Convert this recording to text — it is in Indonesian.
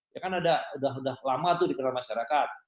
ya kan ada udah lama tuh dikenal masyarakat